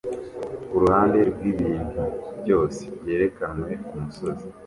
Kuruhande rwibintu byose byerekanwe kumusozi